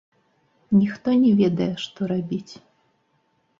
Ніхто не ведае, што рабіць.